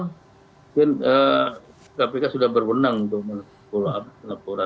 mungkin kpk sudah berwenang untuk follow up laporan